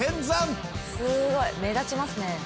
すごい目立ちますね。